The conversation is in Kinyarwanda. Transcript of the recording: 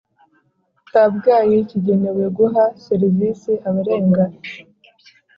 Kabgayi kigenewe guha serivisi abarenga